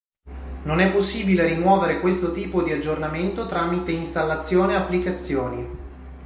Non è possibile rimuovere questo tipo di aggiornamento tramite Installazione Applicazioni.